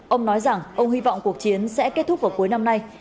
ông nói rằng ông hy vọng cuộc chiến sẽ kết thúc vào cuối năm nay